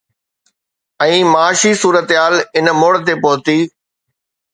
۽ معاشي صورتحال ان موڙ تي پهتي